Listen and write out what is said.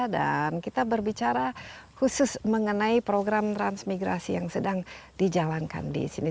dan kita berbicara khusus mengenai program transmigrasi yang sedang dijalankan di sini